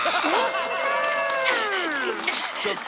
ちょっと。